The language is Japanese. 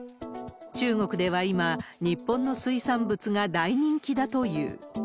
中国では今、日本の水産物が大人気だという。